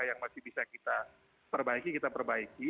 yang masih bisa kita perbaiki kita perbaiki